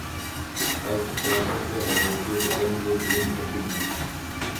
Ez dixwazim vê hevokê bi dengê bilind bixwînim